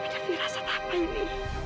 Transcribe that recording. ada dirasa apa ini